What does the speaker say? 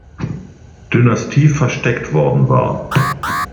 Dynastie versteckt worden war.